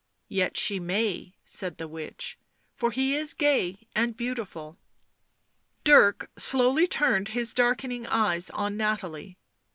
..."" Yet she may," said the witch; " for he is gay and beautiful." Dirk slowly turned his darkening eyes on Nathalie.